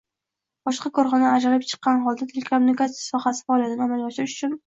boshqa korxona ajralib chiqqan holda telekommunikatsiya sohasida faoliyatni amalga oshirish uchun